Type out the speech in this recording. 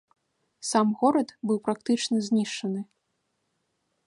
Сам горад быў практычна знішчаны.